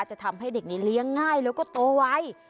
จะทำให้เด็กนี้เลี้ยงง่ายแล้วก็โตไว